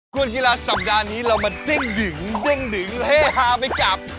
วนกีฬาสัปดาห์นี้เรามาเด้งดึงเด้งดึงเฮ่ฮาไปกับ